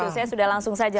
saya sudah langsung saja